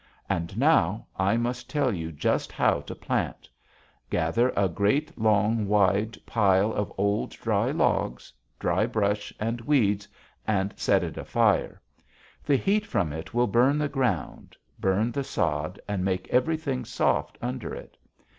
And now, I must tell you just how to plant: Gather a great, long, wide pile of old dry logs, dry brush and weeds, and set it afire. The heat from it will burn the ground, burn the sod, and make everything soft under it.